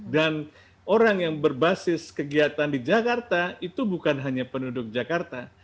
dan orang yang berbasis kegiatan di jakarta itu bukan hanya penduduk jakarta